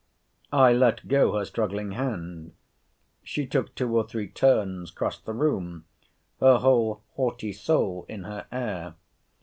I let go her struggling hand. She took two or three turns cross the room, her whole haughty soul in her air.